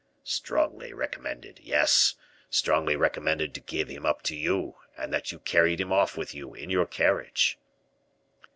"Strongly recommended, yes; strongly recommended to give him up to you; and that you carried him off with you in your carriage."